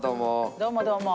どうもどうも。